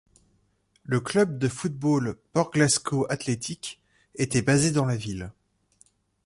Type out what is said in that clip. Le club de football Port Glasgow Athletic était basé dans la ville.